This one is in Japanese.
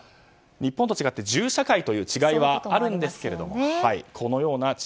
日本と違って銃社会という違いはあるんですけれども。